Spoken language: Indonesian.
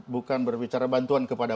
bukan berbicara bantuan kepada